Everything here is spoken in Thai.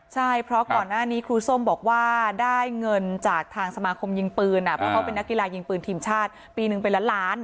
ใช่เพราะก่อนหน้านี้ครูส้มบอกว่าได้เงินจากทางสมาคมยิงปืนเพราะเขาเป็นนักกีฬายิงปืนทีมชาติปีหนึ่งเป็นล้านล้าน